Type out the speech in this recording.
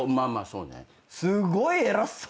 すごい偉そう。